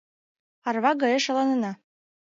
Арва гае шаланена.